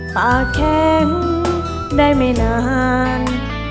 ปากแข็งได้ไม่นาน